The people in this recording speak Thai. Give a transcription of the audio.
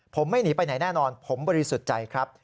ผมไม่หนีไปไหนแน่นอนผมบริสุทธิ์ใจครับ